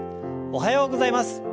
おはようございます。